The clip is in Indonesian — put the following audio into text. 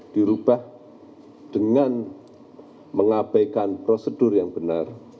dirubah dengan mengabaikan prosedur yang benar